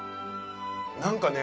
何かね